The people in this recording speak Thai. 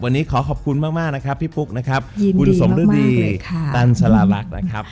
วันนี้ขอขอบคุณมากนะครับพี่ปุ๊กนะครับคุณสมฤดีตันสลาลักษณ์นะครับ